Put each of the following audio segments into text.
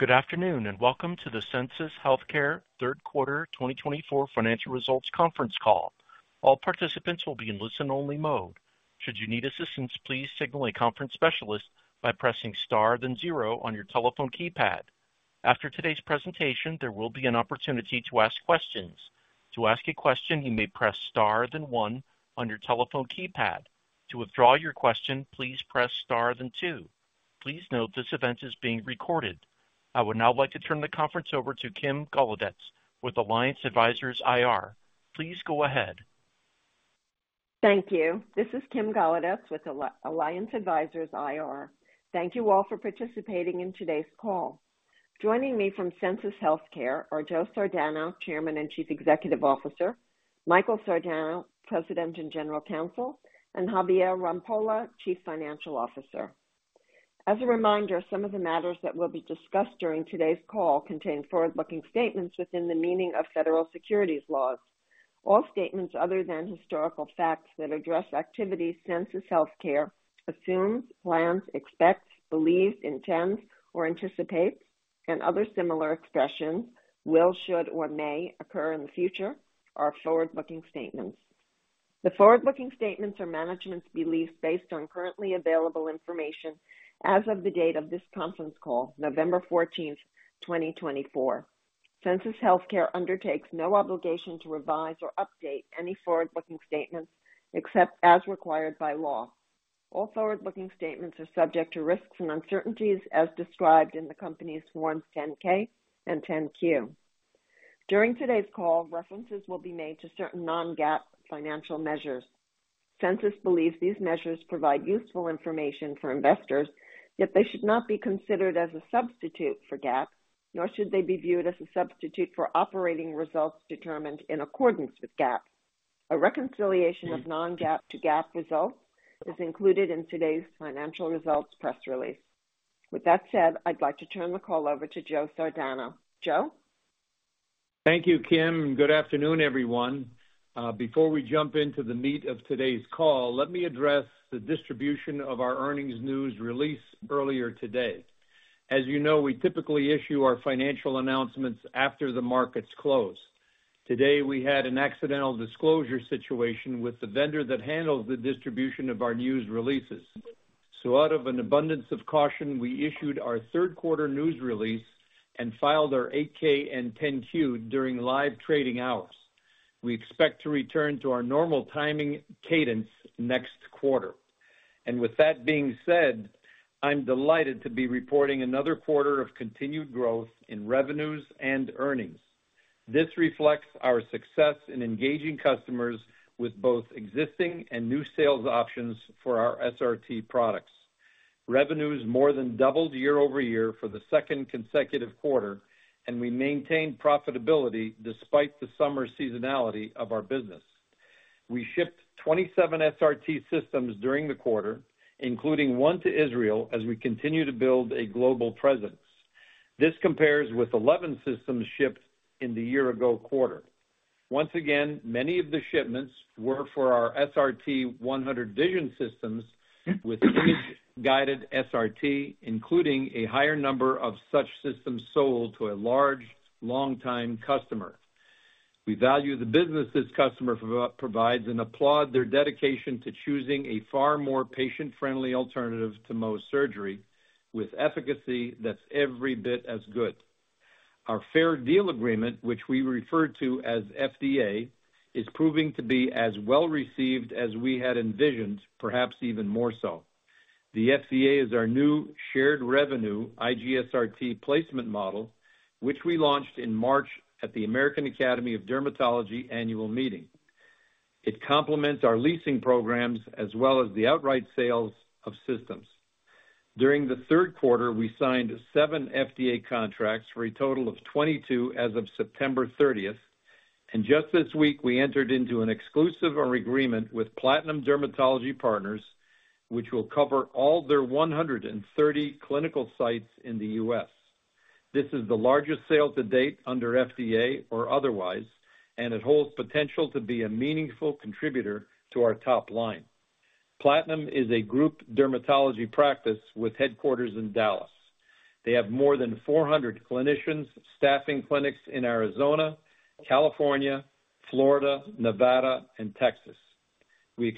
Good afternoon and welcome to the Sensus Healthcare Q3 2024 Financial Results Conference Call. All participants will be in listen-only mode. Should you need assistance, please signal a conference specialist by pressing STAR then 0 on your telephone keypad. After today's presentation, there will be an opportunity to ask questions. To ask a question, you may press STAR then 1 on your telephone keypad. To withdraw your question, please press STAR then 2. Please note this event is being recorded. I would now like to turn the conference over to Kim Golodetz with Alliance Advisors IR. Please go ahead. Thank you. This is Kim Golodetz with Alliance Advisors IR. Thank you all for participating in today's call. Joining me from Sensus Healthcare are Joe Sardano, Chairman and Chief Executive Officer; Michael Sardano, President and General Counsel; and Javier Rampolla, Chief Financial Officer. As a reminder, some of the matters that will be discussed during today's call contain forward-looking statements within the meaning of federal securities laws. All statements other than historical facts that address activities Sensus Healthcare assumes, plans, expects, believes, intends, or anticipates, and other similar expressions will, should, or may occur in the future are forward-looking statements. The forward-looking statements are management's beliefs based on currently available information as of the date of this conference call, November 14, 2024. Sensus Healthcare undertakes no obligation to revise or update any forward-looking statements except as required by law. All forward-looking statements are subject to risks and uncertainties as described in the company's Form 10-K and 10-Q. During today's call, references will be made to certain non-GAAP financial measures. Sensus believes these measures provide useful information for investors, yet they should not be considered as a substitute for GAAP, nor should they be viewed as a substitute for operating results determined in accordance with GAAP. A reconciliation of non-GAAP to GAAP results is included in today's financial results press release. With that said, I'd like to turn the call over to Joe Sardano. Joe? Thank you, Kim. Good afternoon, everyone. Before we jump into the meat of today's call, let me address the distribution of our earnings news release earlier today. As you know, we typically issue our financial announcements after the markets close. Today, we had an accidental disclosure situation with the vendor that handles the distribution of our news releases. So, out of an abundance of caution, we issued our Q3 news release and filed our 8-K and 10-Q during live trading hours. We expect to return to our normal timing cadence next quarter. And with that being said, I'm delighted to be reporting another quarter of continued growth in revenues and earnings. This reflects our success in engaging customers with both existing and new sales options for our SRT products. Revenues more than doubled year over year for the second consecutive quarter, and we maintained profitability despite the summer seasonality of our business. We shipped 27 SRT systems during the quarter, including one to Israel, as we continue to build a global presence. This compares with 11 systems shipped in the year-ago quarter. Once again, many of the shipments were for our SRT 100 Vision systems with Image-Guided SRT, including a higher number of such systems sold to a large, long-time customer. We value the business this customer provides and applaud their dedication to choosing a far more patient-friendly alternative to Mohs surgery with efficacy that's every bit as good. Our Fair Deal Agreement, which we refer to as FDA, is proving to be as well received as we had envisioned, perhaps even more so. The FDA is our new shared revenue IGSRT placement model, which we launched in March at the American Academy of Dermatology annual meeting. It complements our leasing programs as well as the outright sales of systems. During the Q3, we signed seven FDA contracts for a total of 22 as of September 30, and just this week, we entered into an exclusive agreement with Platinum Dermatology Partners, which will cover all their 130 clinical sites in the U.S. This is the largest sale to date under FDA or otherwise, and it holds potential to be a meaningful contributor to our top line. Platinum is a group dermatology practice with headquarters in Dallas. They have more than 400 clinicians staffing clinics in Arizona, California, Florida, Nevada, and Texas. We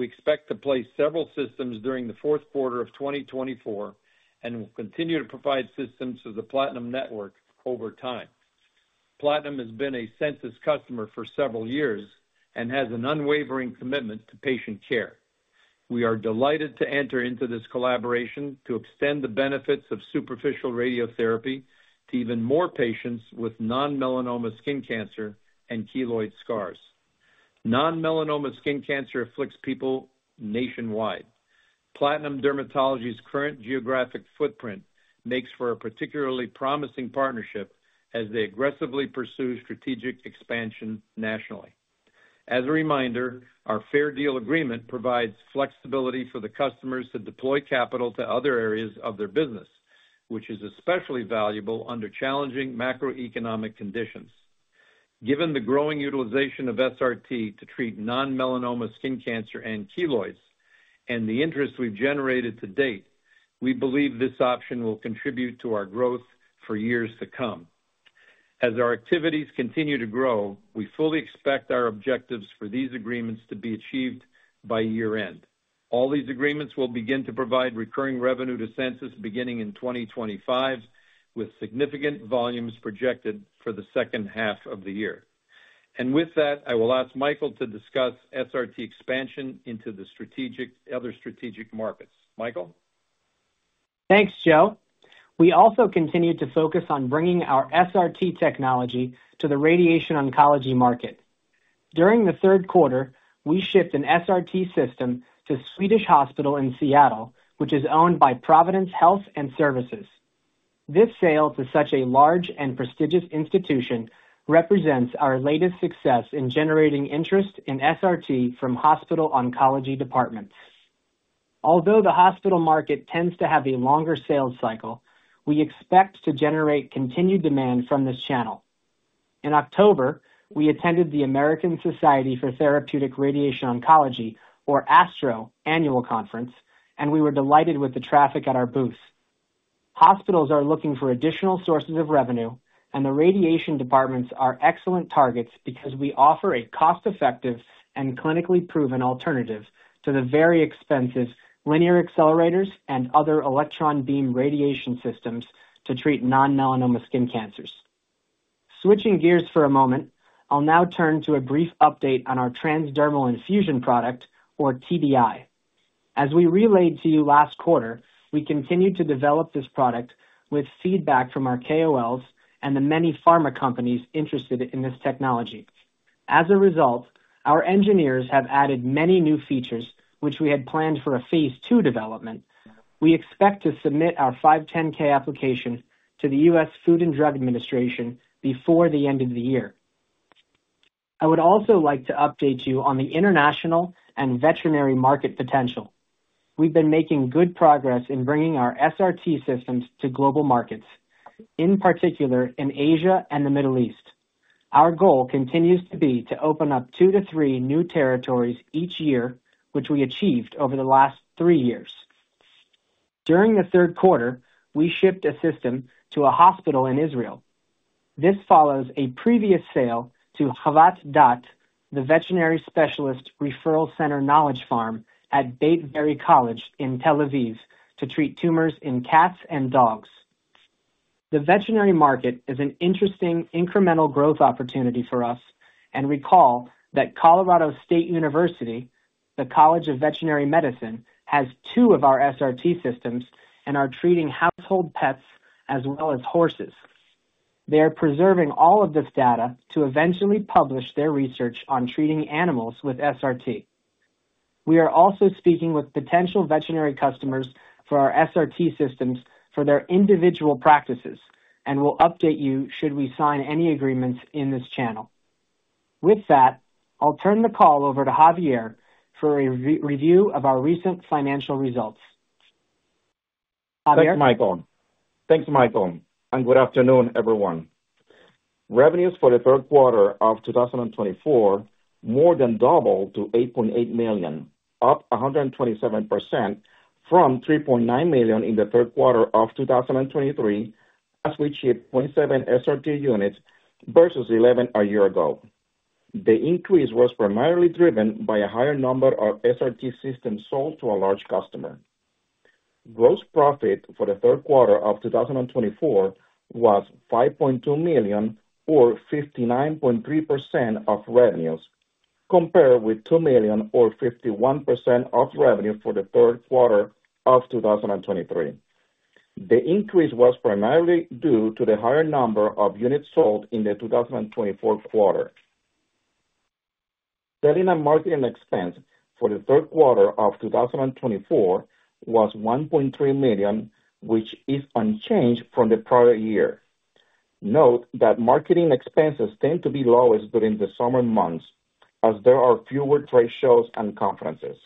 expect to place several systems during the Q4 of 2024 and will continue to provide systems to the Platinum network over time. Platinum has been a Sensus customer for several years and has an unwavering commitment to patient care. We are delighted to enter into this collaboration to extend the benefits of superficial radiotherapy to even more patients with non-melanoma skin cancer and keloid scars. Non-melanoma skin cancer afflicts people nationwide. Platinum Dermatology Partners' current geographic footprint makes for a particularly promising partnership as they aggressively pursue strategic expansion nationally. As a reminder, our Fair Deal Agreement provides flexibility for the customers to deploy capital to other areas of their business, which is especially valuable under challenging macroeconomic conditions. Given the growing utilization of SRT to treat non-melanoma skin cancer and keloids and the interest we've generated to date, we believe this option will contribute to our growth for years to come. As our activities continue to grow, we fully expect our objectives for these agreements to be achieved by year-end. All these agreements will begin to provide recurring revenue to Sensus beginning in 2025, with significant volumes projected for the H2 of the year. And with that, I will ask Michael to discuss SRT expansion into the other strategic markets. Michael? Thanks, Joe. We also continue to focus on bringing our SRT technology to the radiation oncology market. During the Q3, we shipped an SRT system to Swedish Hospital in Seattle, which is owned by Providence Health & Services. This sale to such a large and prestigious institution represents our latest success in generating interest in SRT from hospital oncology departments. Although the hospital market tends to have a longer sales cycle, we expect to generate continued demand from this channel. In October, we attended the American Society for Therapeutic Radiation Oncology, or ASTRO, annual conference, and we were delighted with the traffic at our booths. Hospitals are looking for additional sources of revenue, and the radiation departments are excellent targets because we offer a cost-effective and clinically proven alternative to the very expensive linear accelerators and other electron beam radiation systems to treat non-melanoma skin cancers. Switching gears for a moment, I'll now turn to a brief update on our transdermal infusion product, or TDI. As we relayed to you last quarter, we continue to develop this product with feedback from our KOLs and the many pharma companies interested in this technology. As a result, our engineers have added many new features, which we had planned for a phase II development. We expect to submit our 510(k) application to the U.S. Food and Drug Administration before the end of the year. I would also like to update you on the international and veterinary market potential. We've been making good progress in bringing our SRT systems to global markets, in particular in Asia and the Middle East. Our goal continues to be to open up two to three new territories each year, which we achieved over the last three years. During the Q3, we shipped a system to a hospital in Israel. This follows a previous sale to Havat Da'at, the veterinary specialist referral center Knowledge Farm at Beit Berl College in Tel Aviv to treat tumors in cats and dogs. The veterinary market is an interesting incremental growth opportunity for us, and recall that Colorado State University, the College of Veterinary Medicine, has two of our SRT systems and are treating household pets as well as horses. They are preserving all of this data to eventually publish their research on treating animals with SRT. We are also speaking with potential veterinary customers for our SRT systems for their individual practices and will update you should we sign any agreements in this channel. With that, I'll turn the call over to Javier for a review of our recent financial results. Thanks, Michael. Thanks, Michael, and good afternoon, everyone. Revenues for the Q3 of 2024 more than doubled to $8.8 million, up 127% from $3.9 million in the Q3 of 2023, as we shipped 0.7 SRT units versus 11 a year ago. The increase was primarily driven by a higher number of SRT systems sold to a large customer. Gross profit for the Q3 of 2024 was $5.2 million, or 59.3% of revenues, compared with $2 million, or 51% of revenue for the Q3 of 2023. The increase was primarily due to the higher number of units sold in the 2024 quarter. Selling and marketing expense for the Q3 of 2024 was $1.3 million, which is unchanged from the prior year. Note that marketing expenses tend to be lowest during the summer months, as there are fewer trade shows and conferences.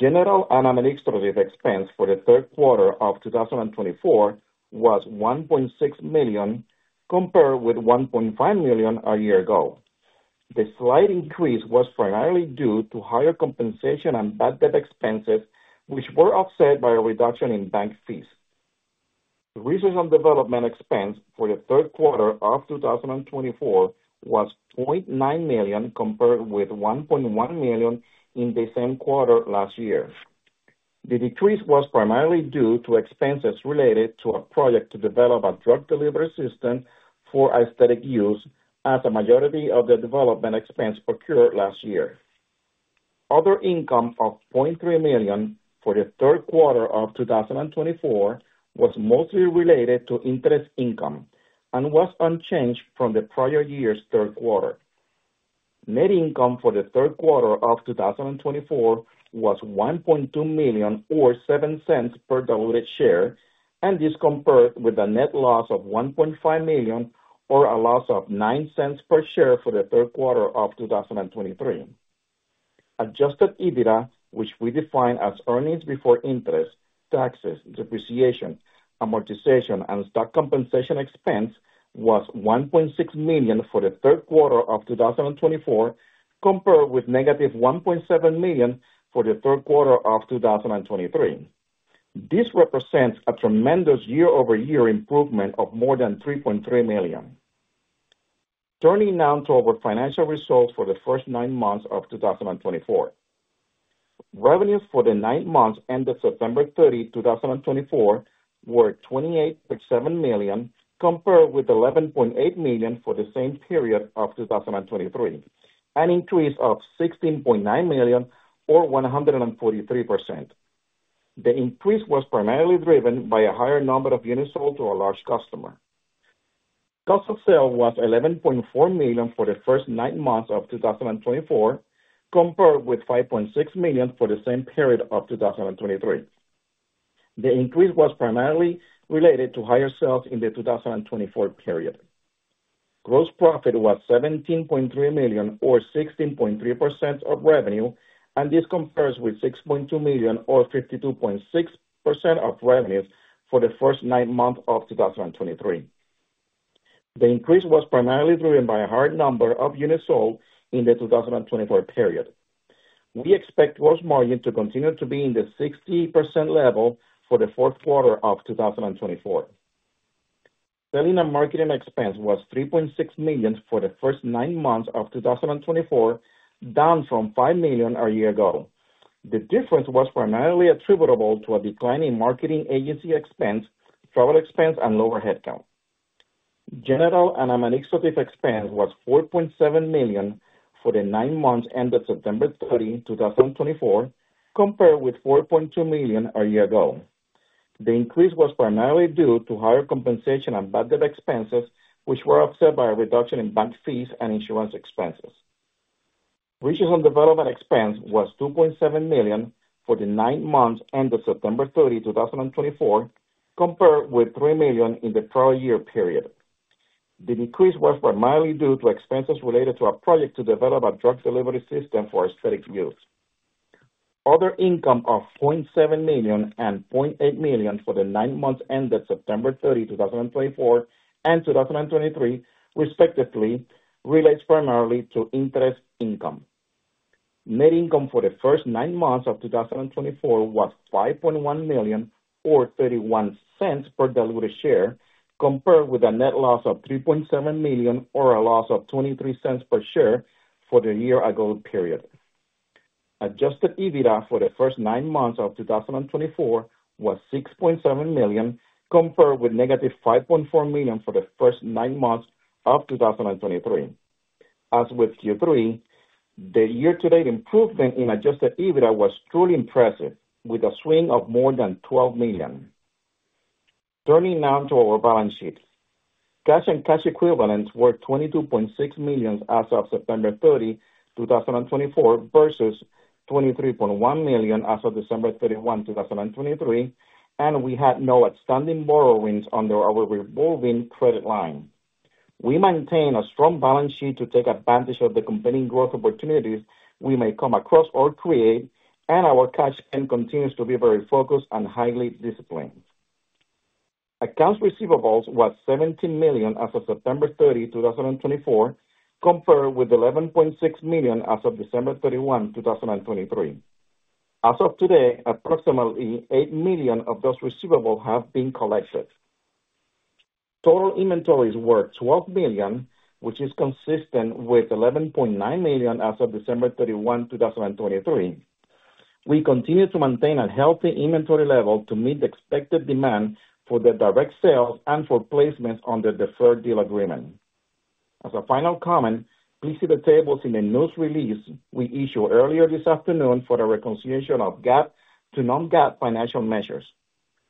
General and administrative expense for the Q3 of 2024 was $1.6 million, compared with $1.5 million a year ago. The slight increase was primarily due to higher compensation and bad debt expenses, which were offset by a reduction in bank fees. Research and development expense for the Q3 of 2024 was $0.9 million, compared with $1.1 million in the same quarter last year. The decrease was primarily due to expenses related to a project to develop a drug delivery system for aesthetic use, as the majority of the development expense incurred last year. Other income of $0.3 million for the Q3 of 2024 was mostly related to interest income and was unchanged from the prior year's Q3. Net income for the Q3 of 2024 was $1.2 million, or $0.07 per diluted share, and this compared with a net loss of $1.5 million, or a loss of $0.09 per share for the Q3 of 2023. Adjusted EBITDA, which we define as earnings before interest, taxes, depreciation, amortization, and stock compensation expense, was $1.6 million for the Q3 of 2024, compared with -$1.7 million for the Q3 of 2023. This represents a tremendous year-over-year improvement of more than $3.3 million. Turning now to our financial results for the first nine months of 2024. Revenues for the nine months ended September 30, 2024, were $28.7 million, compared with $11.8 million for the same period of 2023, an increase of $16.9 million, or 143%. The increase was primarily driven by a higher number of units sold to a large customer. Cost of sales was $11.4 million for the first nine months of 2024, compared with $5.6 million for the same period of 2023. The increase was primarily related to higher sales in the 2024 period. Gross profit was $17.3 million, or 16.3% of revenue, and this compares with $6.2 million, or 52.6% of revenues for the first nine months of 2023. The increase was primarily driven by a higher number of units sold in the 2024 period. We expect gross margin to continue to be in the 60% level for the Q4 of 2024. Selling and marketing expense was $3.6 million for the first nine months of 2024, down from $5 million a year ago. The difference was primarily attributable to a decline in marketing agency expense, travel expense, and lower headcount. General and administrative expense was $4.7 million for the nine months ended September 30, 2024, compared with $4.2 million a year ago. The increase was primarily due to higher compensation and bad debt expenses, which were offset by a reduction in bank fees and insurance expenses. Research and development expense was $2.7 million for the nine months ended September 30, 2024, compared with $3 million in the prior year period. The decrease was primarily due to expenses related to a project to develop a drug delivery system for aesthetic use. Other income of $0.7 million and $0.8 million for the nine months ended September 30, 2024, and 2023, respectively, relates primarily to interest income. Net income for the first nine months of 2024 was $5.1 million, or $0.31 per diluted share, compared with a net loss of $3.7 million, or a loss of $0.23 per share for the year-ago period. Adjusted EBITDA for the first nine months of 2024 was $6.7 million, compared with negative $5.4 million for the first nine months of 2023. As with Q3, the year-to-date improvement in adjusted EBITDA was truly impressive, with a swing of more than $12 million. Turning now to our balance sheets. Cash and cash equivalents were $22.6 million as of September 30, 2024, versus $23.1 million as of December 31, 2023, and we had no outstanding borrowings under our revolving credit line. We maintain a strong balance sheet to take advantage of the competing growth opportunities we may come across or create, and our cash spend continues to be very focused and highly disciplined. Accounts receivables were $17 million as of September 30, 2024, compared with $11.6 million as of December 31, 2023. As of today, approximately $8 million of those receivables have been collected. Total inventories were $12 million, which is consistent with $11.9 million as of December 31, 2023. We continue to maintain a healthy inventory level to meet the expected demand for the direct sales and for placements under the Fair Deal Agreement. As a final comment, please see the tables in the news release we issued earlier this afternoon for the reconciliation of GAAP to non-GAAP financial measures.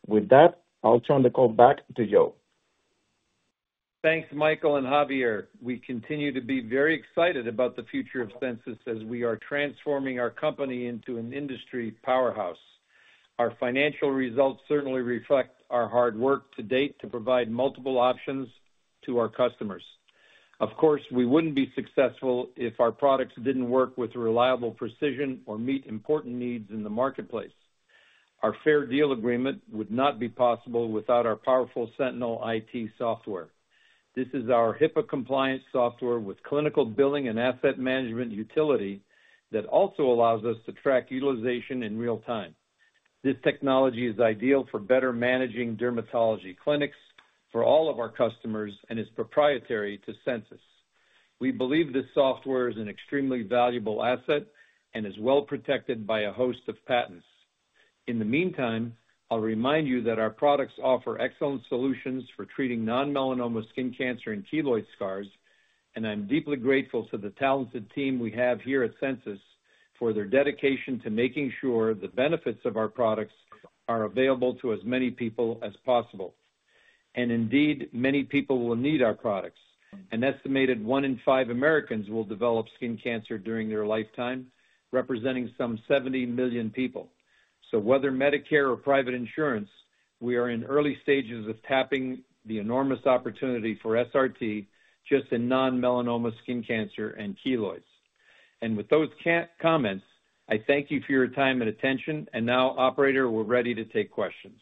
With that, I'll turn the call back to Joe. Thanks, Michael and Javier. We continue to be very excited about the future of Sensus as we are transforming our company into an industry powerhouse. Our financial results certainly reflect our hard work to date to provide multiple options to our customers. Of course, we wouldn't be successful if our products didn't work with reliable precision or meet important needs in the marketplace. Our Fair Deal Agreement would not be possible without our powerful Sentinel IT software. This is our HIPAA-compliant software with clinical billing and asset management utility that also allows us to track utilization in real time. This technology is ideal for better managing dermatology clinics for all of our customers and is proprietary to Sensus. We believe this software is an extremely valuable asset and is well protected by a host of patents. In the meantime, I'll remind you that our products offer excellent solutions for treating non-melanoma skin cancer and keloid scars, and I'm deeply grateful to the talented team we have here at Sensus for their dedication to making sure the benefits of our products are available to as many people as possible. And indeed, many people will need our products. An estimated one in five Americans will develop skin cancer during their lifetime, representing some 70 million people. So whether Medicare or private insurance, we are in early stages of tapping the enormous opportunity for SRT just in non-melanoma skin cancer and keloids. And with those comments, I thank you for your time and attention, and now, Operator, we're ready to take questions.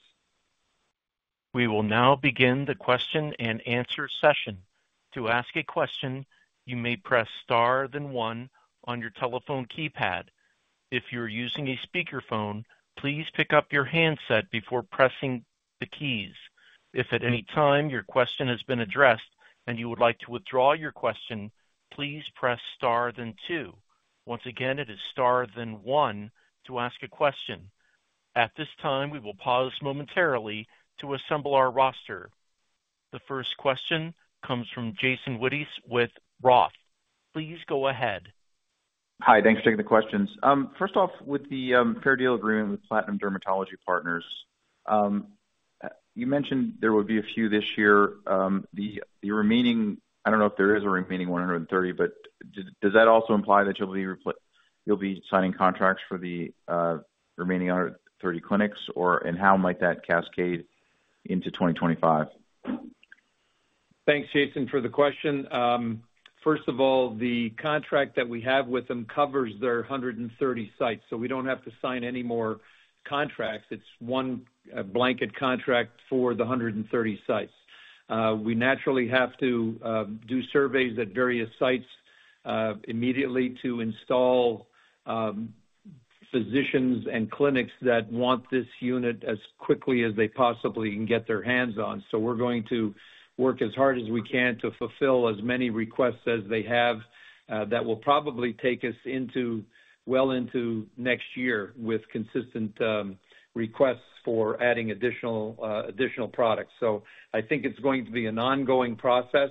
We will now begin the question-and-answer session. To ask a question, you may press star then one on your telephone keypad. If you're using a speakerphone, please pick up your handset before pressing the keys. If at any time your question has been addressed and you would like to withdraw your question, please press star then two. Once again, it is star then one to ask a question. At this time, we will pause momentarily to assemble our roster. The first question comes from Jason Wittes with Roth. Please go ahead. Hi, thanks for taking the questions. First off, with the Fair Deal Agreement with Platinum Dermatology Partners, you mentioned there would be a few this year. The remaining, I don't know if there is a remaining 130, but does that also imply that you'll be signing contracts for the remaining 130 clinics, and how might that cascade into 2025? Thanks, Jason, for the question. First of all, the contract that we have with them covers their 130 sites, so we don't have to sign any more contracts. It's one blanket contract for the 130 sites. We naturally have to do surveys at various sites immediately to install in physicians and clinics that want this unit as quickly as they possibly can get their hands on. So we're going to work as hard as we can to fulfill as many requests as they have that will probably take us well into next year with consistent requests for adding additional products. So I think it's going to be an ongoing process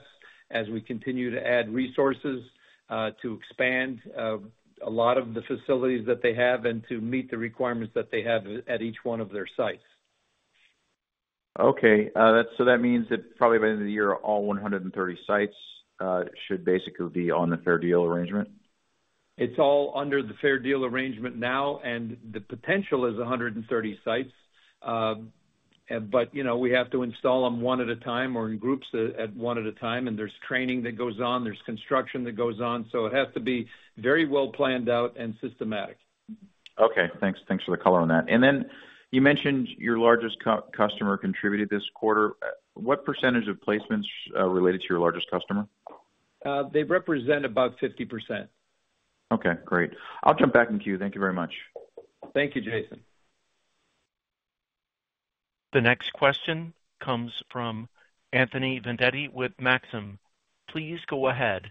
as we continue to add resources to expand a lot of the facilities that they have and to meet the requirements that they have at each one of their sites. Okay. So that means that probably by the end of the year, all 130 sites should basically be on the Fair Deal Agreement? It's all under the Fair Deal Agreement now, and the potential is 130 sites. But we have to install them one at a time or in groups, one at a time, and there's training that goes on. There's construction that goes on. So it has to be very well planned out and systematic. Okay. Thanks for the color on that, and then you mentioned your largest customer contributed this quarter. What percentage of placements related to your largest customer? They represent about 50%. Okay. Great. I'll jump back in queue. Thank you very much. Thank you, Jason. The next question comes from Anthony Vendetti with Maxim. Please go ahead.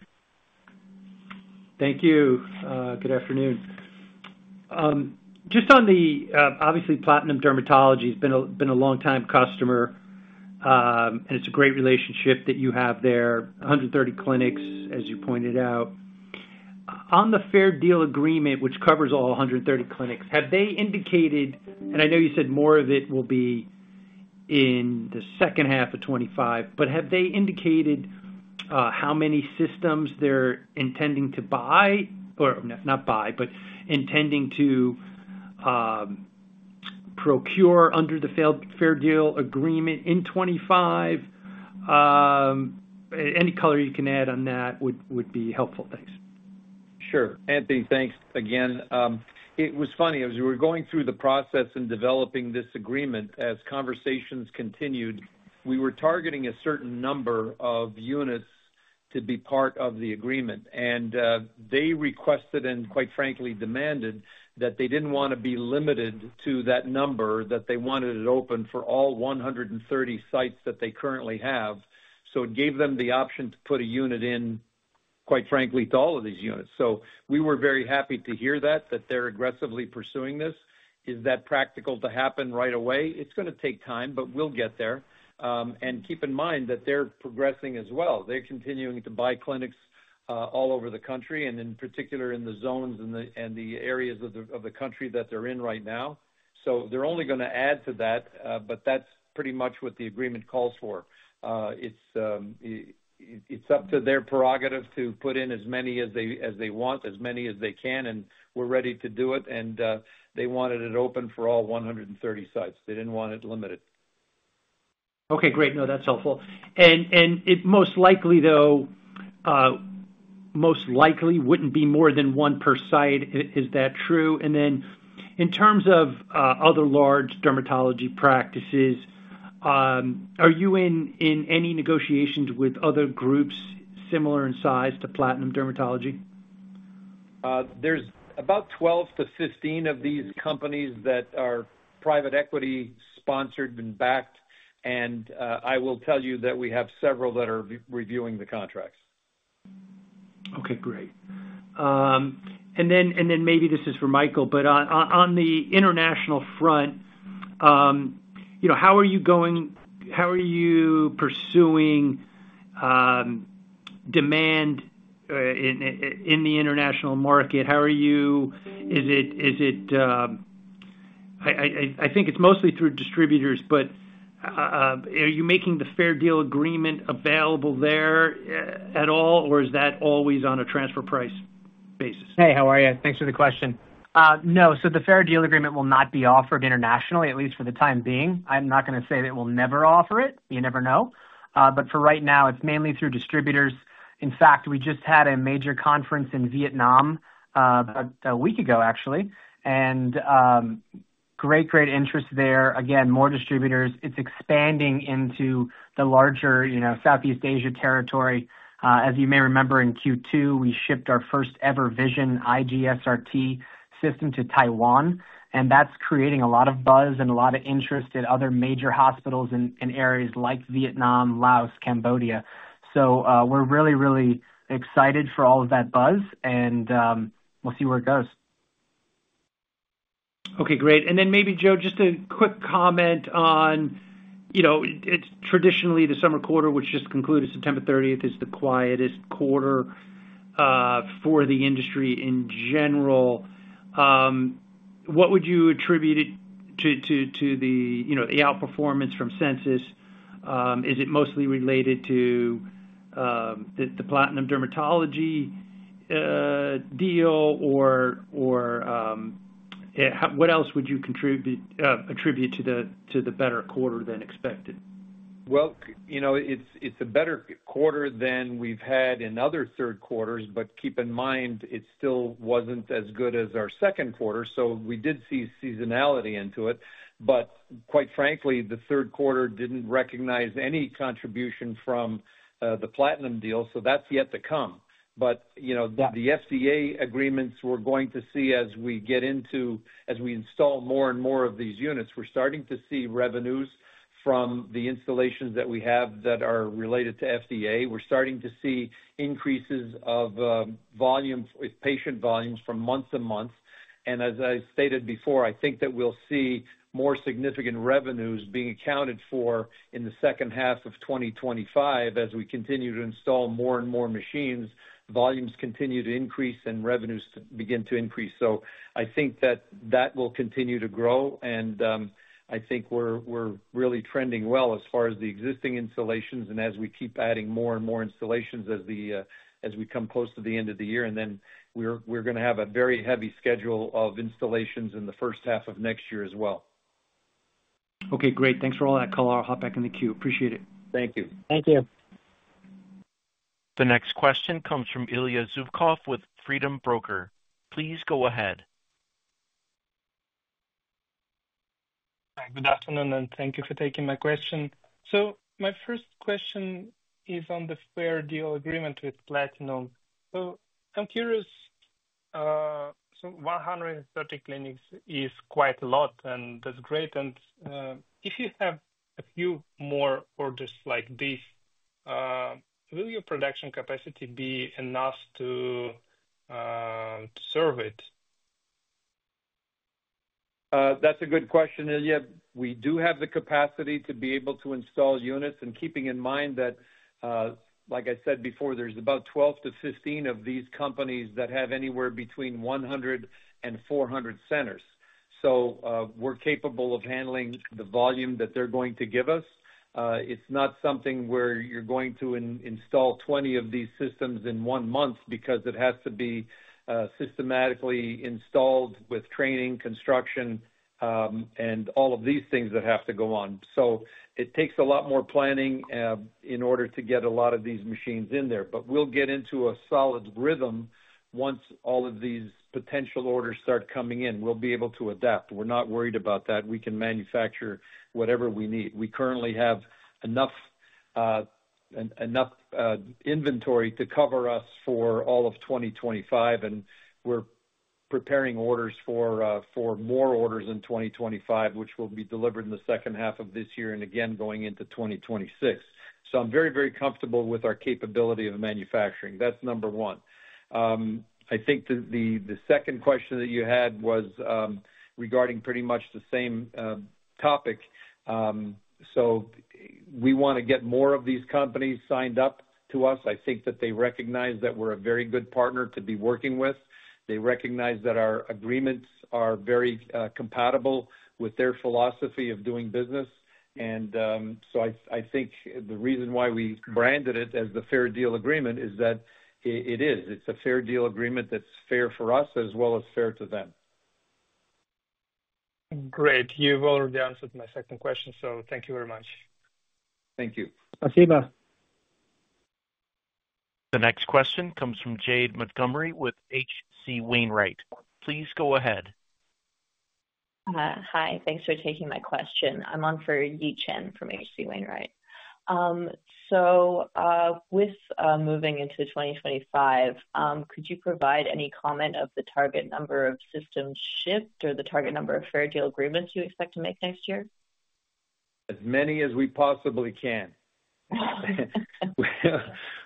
Thank you. Good afternoon. Just on the, obviously, Platinum Dermatology has been a longtime customer, and it's a great relationship that you have there, 130 clinics, as you pointed out. On the Fair Deal Agreement, which covers all 130 clinics, have they indicated, and I know you said more of it will be in the H2 of 2025, but have they indicated how many systems they're intending to buy, or not buy, but intending to procure under the Fair Deal Agreement in 2025? Any color you can add on that would be helpful. Thanks. Sure. Anthony, thanks again. It was funny. As we were going through the process and developing this agreement, as conversations continued, we were targeting a certain number of units to be part of the agreement. And they requested and, quite frankly, demanded that they didn't want to be limited to that number, that they wanted it open for all 130 sites that they currently have. So it gave them the option to put a unit in, quite frankly, to all of these units. So we were very happy to hear that, that they're aggressively pursuing this. Is that practical to happen right away? It's going to take time, but we'll get there. And keep in mind that they're progressing as well. They're continuing to buy clinics all over the country, and in particular in the zones and the areas of the country that they're in right now. So they're only going to add to that, but that's pretty much what the agreement calls for. It's up to their prerogative to put in as many as they want, as many as they can, and we're ready to do it. And they wanted it open for all 130 sites. They didn't want it limited. Okay. Great. No, that's helpful. And most likely, though, most likely wouldn't be more than one per site. Is that true? And then in terms of other large dermatology practices, are you in any negotiations with other groups similar in size to Platinum Dermatology? There's about 12-15 of these companies that are private equity sponsored and backed, and I will tell you that we have several that are reviewing the contracts. Okay. Great. And then maybe this is for Michael, but on the international front, how are you going? How are you pursuing demand in the international market? How are you? Is it, I think it's mostly through distributors, but are you making the Fair Deal Agreement available there at all, or is that always on a transfer price basis? Hey, how are you? Thanks for the question. No. So the Fair Deal Agreement will not be offered internationally, at least for the time being. I'm not going to say that we'll never offer it. You never know. But for right now, it's mainly through distributors. In fact, we just had a major conference in Vietnam a week ago, actually, and great, great interest there. Again, more distributors. It's expanding into the larger Southeast Asia territory. As you may remember, in Q2, we shipped our first-ever Vision IGSRT system to Taiwan, and that's creating a lot of buzz and a lot of interest at other major hospitals in areas like Vietnam, Laos, Cambodia. So we're really, really excited for all of that buzz, and we'll see where it goes. Okay. Great. And then maybe, Joe, just a quick comment on traditionally, the summer quarter, which just concluded September 30th, is the quietest quarter for the industry in general. What would you attribute it to, the outperformance from Sensus? Is it mostly related to the Platinum Dermatology deal, or what else would you attribute to the better quarter than expected? It's a better quarter than we've had in other Q3s, but keep in mind, it still wasn't as good as our Q2. So we did see seasonality into it. But quite frankly, the Q3 didn't recognize any contribution from the Platinum deal, so that's yet to come. But the Fair Deal agreements we're going to see as we get into, as we install more and more of these units, we're starting to see revenues from the installations that we have that are related to Fair Deal. We're starting to see increases of volume, patient volumes from month to month. And as I stated before, I think that we'll see more significant revenues being accounted for in the H2 of 2025 as we continue to install more and more machines. Volumes continue to increase and revenues begin to increase. So I think that will continue to grow, and I think we're really trending well as far as the existing installations and as we keep adding more and more installations as we come close to the end of the year. And then we're going to have a very heavy schedule of installations in the H1 of next year as well. Okay. Great. Thanks for all that color. I'll hop back in the queue. Appreciate it. Thank you. Thank you. The next question comes from Ilya Zubkov with Freedom Broker. Please go ahead. Hi. Good afternoon, and thank you for taking my question. My first question is on the Fair Deal Agreement with Platinum. I'm curious, 130 clinics is quite a lot, and that's great. If you have a few more orders like this, will your production capacity be enough to serve it? That's a good question, Ilya. We do have the capacity to be able to install units, and keeping in mind that, like I said before, there's about 12 to 15 of these companies that have anywhere between 100 and 400 centers. So we're capable of handling the volume that they're going to give us. It's not something where you're going to install 20 of these systems in one month because it has to be systematically installed with training, construction, and all of these things that have to go on. So it takes a lot more planning in order to get a lot of these machines in there. But we'll get into a solid rhythm once all of these potential orders start coming in. We'll be able to adapt. We're not worried about that. We can manufacture whatever we need. We currently have enough inventory to cover us for all of 2025, and we're preparing orders for more orders in 2025, which will be delivered in the H2 of this year and again going into 2026, so I'm very, very comfortable with our capability of manufacturing. That's number one. I think the second question that you had was regarding pretty much the same topic, so we want to get more of these companies signed up to us. I think that they recognize that we're a very good partner to be working with. They recognize that our agreements are very compatible with their philosophy of doing business, and so I think the reason why we branded it as the Fair Deal Agreement is that it is. It's a Fair Deal Agreement that's fair for us as well as fair to them. Great. You've already answered my second question, so thank you very much. Thank you. Thank you. The next question comes from Jade Montgomery with H.C. Wainwright. Please go ahead. Hi. Thanks for taking my question. I'm on for Yi Chen from H.C. Wainwright. So with moving into 2025, could you provide any comment of the target number of systems shipped or the target number of Fair Deal Agreements you expect to make next year? As many as we possibly can.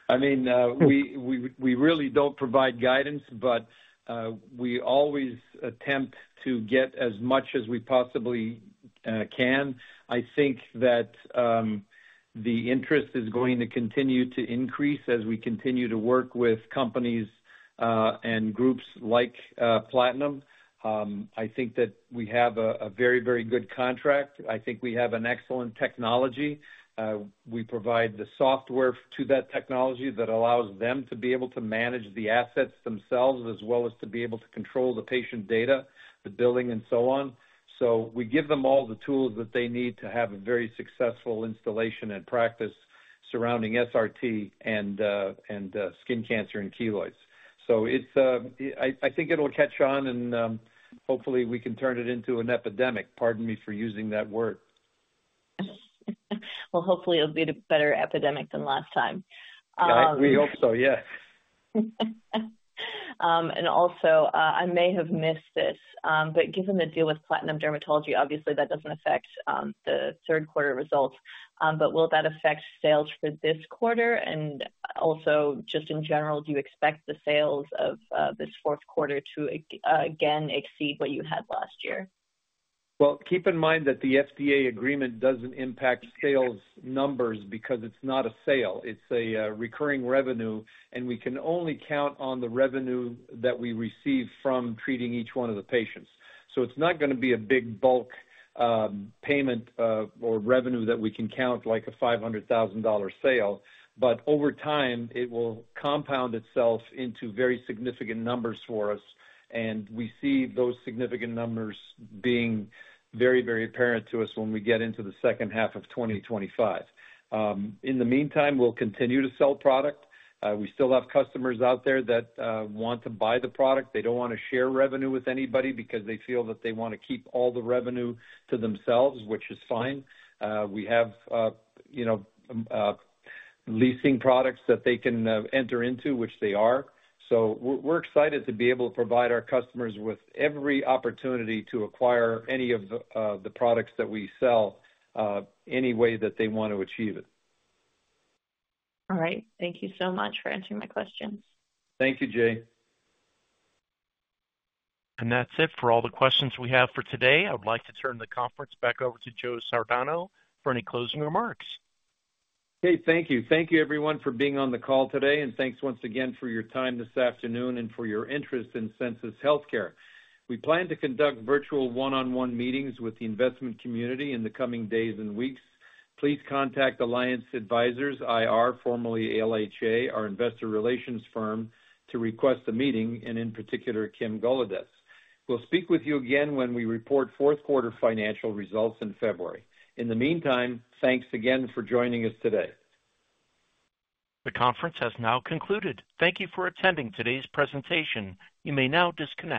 I mean, we really don't provide guidance, but we always attempt to get as much as we possibly can. I think that the interest is going to continue to increase as we continue to work with companies and groups like Platinum. I think that we have a very, very good contract. I think we have an excellent technology. We provide the software to that technology that allows them to be able to manage the assets themselves as well as to be able to control the patient data, the billing, and so on. So we give them all the tools that they need to have a very successful installation and practice surrounding SRT and skin cancer and keloids. So I think it'll catch on, and hopefully, we can turn it into an epidemic. Pardon me for using that word. Hopefully, it'll be a better epidemic than last time. We hope so, yes. And also, I may have missed this, but given the deal with Platinum Dermatology, obviously, that doesn't affect the Q3 results. But will that affect sales for this quarter? And also, just in general, do you expect the sales of this Q4 to again exceed what you had last year? Keep in mind that the Fair Deal Agreement doesn't impact sales numbers because it's not a sale. It's a recurring revenue, and we can only count on the revenue that we receive from treating each one of the patients. So it's not going to be a big bulk payment or revenue that we can count like a $500,000 sale. But over time, it will compound itself into very significant numbers for us, and we see those significant numbers being very, very apparent to us when we get into the H2 of 2025. In the meantime, we'll continue to sell product. We still have customers out there that want to buy the product. They don't want to share revenue with anybody because they feel that they want to keep all the revenue to themselves, which is fine. We have leasing products that they can enter into, which they are. So we're excited to be able to provide our customers with every opportunity to acquire any of the products that we sell any way that they want to achieve it. All right. Thank you so much for answering my questions. Thank you, Chen. That's it for all the questions we have for today. I would like to turn the conference back over to Joe Sardano for any closing remarks. Okay. Thank you. Thank you, everyone, for being on the call today, and thanks once again for your time this afternoon and for your interest in Sensus Healthcare. We plan to conduct virtual one-on-one meetings with the investment community in the coming days and weeks. Please contact Alliance Advisors IR, formerly LHA, our investor relations firm, to request a meeting, and in particular, Kim Golodetz. We'll speak with you again when we report Q4 financial results in February. In the meantime, thanks again for joining us today. The conference has now concluded. Thank you for attending today's presentation. You may now disconnect.